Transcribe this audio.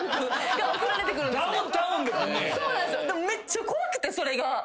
めっちゃ怖くてそれが。